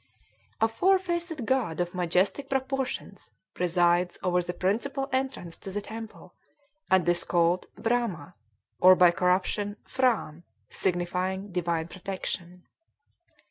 A four faced god of majestic proportions presides over the principal entrance to the temple, and is called Bhrama, or, by corruption, Phrâm, signifying divine protection.